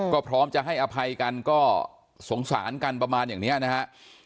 ก็พร้อมจะให้อภัยกันก็สงสารกันประมาณอย่างนี้นะฮะ